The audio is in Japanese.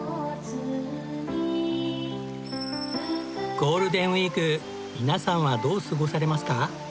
ゴールデンウィーク皆さんはどう過ごされますか？